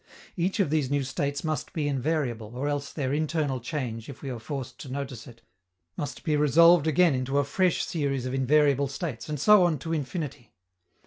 Each of these new states must be invariable, or else their internal change, if we are forced to notice it, must be resolved again into a fresh series of invariable states, and so on to infinity.